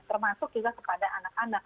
termasuk juga kepada anak anak